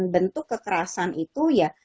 bentuk kekerasan itu ya